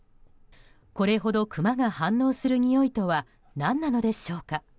これほどクマが反応するにおいとは何なのでしょうか。